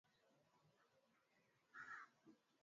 tanzania si salama hata comoro si salama